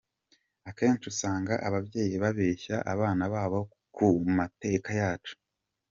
Akenshi usanga ababyeyi babeshya abana babo ku mateka yacu.